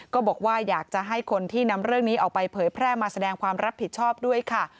ก็บอกว่าอยากจะให้คนที่นำเรื่องนี้ออกไปเผยแพร่มาแสดงความรับผิดชอบด้วยค่ะ